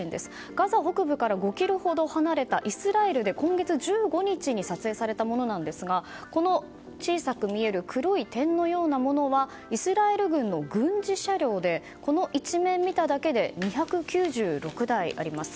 ガザ北部から５ｋｍほど離れたイスラエルで今月１５日に撮影されたものなんですがこの小さく見える黒い点のようなものはイスラエル軍の軍事車両でこの一面を見ただけで２９６台あります。